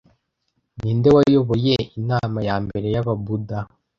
Ninde wayoboye inama ya mbere yababuda